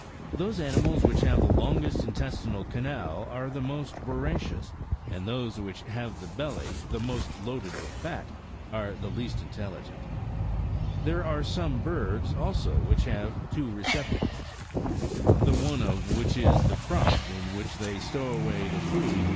Those animals which have the longest intestinal canal, are the most voracious ; and those which have the belly the most loaded with fat, are the least intelligent. There are some birds, also, which have two receptacles ; the one of which is the crop, in which they stow away the food which 66 "With Sardonic laughter, as Hardouin remarks.